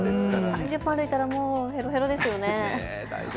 ３０分歩いたらへろへろですね。